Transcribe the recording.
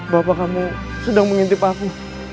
bapak kamu sedang mengintip aku